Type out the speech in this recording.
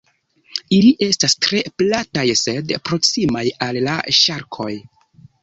Ili estas tre plataj sed proksimaj al la ŝarkoj.